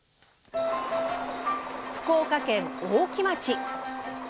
福岡県大木町。